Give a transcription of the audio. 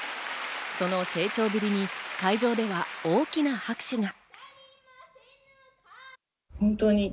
その成長ぶりに会場では大きな拍手が。